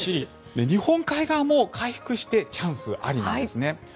日本海側も回復してチャンスありなんですね。